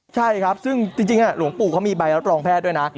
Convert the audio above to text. ใช่ครับซึ่งจริงหลวงปู่เขามีใบรับรองแพทย์ด้วยนะ